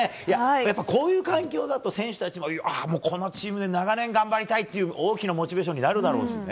やっぱりこういう環境だと選手たちも、このチームで長年頑張りたいって大きなモチベーションになるだろうし。